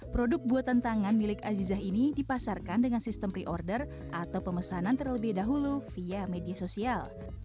produk buatan tangan milik azizah ini dipasarkan dengan sistem pre order atau pemesanan terlebih dahulu via media sosial